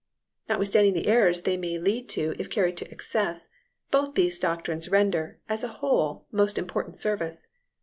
Notwithstanding the errors they may lead to if carried to excess, both these doctrines render, as a whole, most important service.